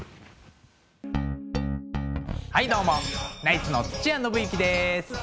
はいどうもナイツの土屋伸之です。